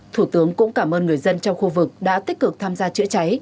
thủ tướng cũng cảm ơn người dân trong khu vực đã tích cực tham gia chữa cháy